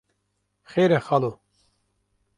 Xêr e kalo